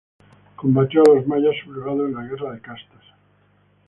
Combatió a los mayas sublevados en la guerra de castas.